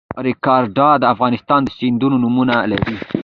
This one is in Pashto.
ریګویډا د افغانستان د سیندونو نومونه لري